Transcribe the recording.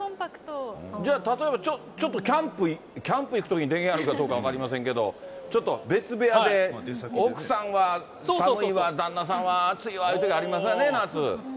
じゃあ例えば、ちょっとキャンプ行くときに電源あるかどうか分かりませんけど、ちょっと別部屋で、奥さんは寒いわ、旦那さんは暑いわいうときありますわね、夏。